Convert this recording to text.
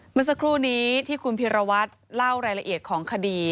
เมื่อสักครู่นี้ที่คุณพิรวัตรเล่ารายละเอียดของคดี